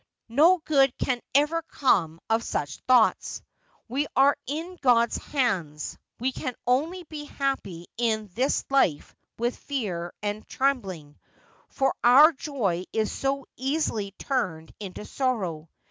' No good can ever come of such thoughts. We are in God's hands. We can only be happy in this life with fear and trem bling, for our joy is so easily turned into sorrow.